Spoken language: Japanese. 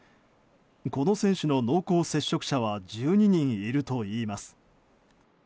この選手の濃厚接触者は１２人いるといいます。